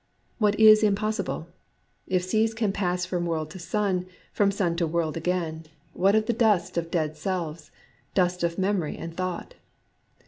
What is impossible ? If seas can pass from world to sun, from sun to world again, what of the dust of dead selves, — dust of memory and thought